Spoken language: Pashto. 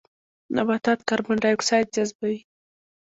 نباتات کاربن ډای اکسایډ جذبوي